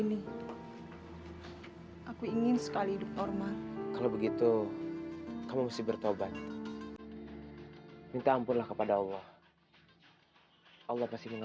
ingin deketin bapak nadia